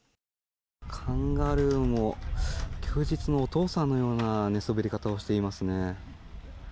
カンガルーも休日のお父さんのような寝そべり方をしていますね。